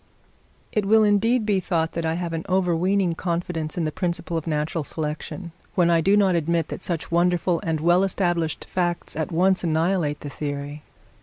It will indeed be thought that I have an overweening confidence in the principle of natural selection, when I do not admit that such wonderful and well established facts at once annihilate the theory.